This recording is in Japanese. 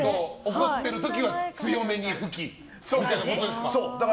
怒ってる時は強めに吹きみたいなことですか。